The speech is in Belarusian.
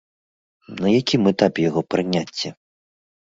На якім этапе яго прыняцце?